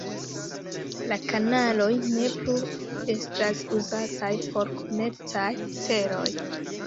La kanaloj ne plu estas uzataj por komercaj celoj.